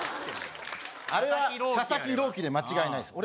あれは佐々木朗希で間違いないです